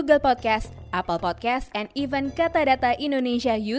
dan mencoba untuk membesar indonesia smes